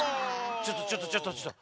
ちょっとちょっとちょっとちょっと。